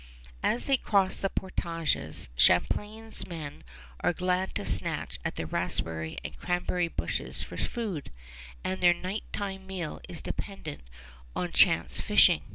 As they cross the portages, Champlain's men are glad to snatch at the raspberry and cranberry bushes for food; and their night time meal is dependent on chance fishing.